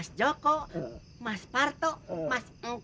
lihatlah dia sudah bergerak ke sana